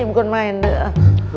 bukan main deh